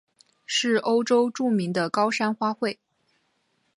是欧洲著名的高山花卉。